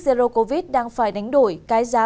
zero covid đang phải đánh đổi cái giá